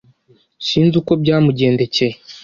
Sinzi uko byamugendekeye.